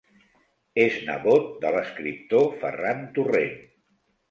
És nebot de l'escriptor Ferran Torrent.